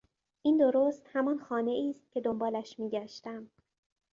این درست همان خانهای است که دنبالش میگشتم.